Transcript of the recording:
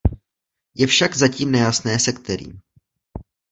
Je však zatím nejasné se kterým.